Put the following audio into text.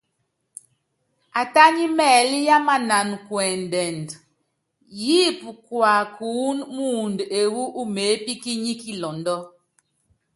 Atányí mɛɛlí yámanána kuɛndɛnd, yíípi kuakuúnɔ́ muundɔ ewú umeépíkínyí kilɔndɔ.